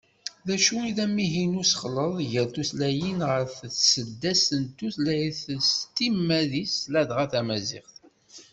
Acu i d amihi n usexleḍ gar tutlayin ɣef tseddast d tutlayt s timmad-is, ladɣa tamaziɣt?